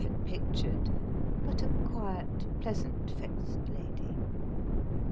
JEROME 231 had pictured, but a quiet, pleasant faced lady.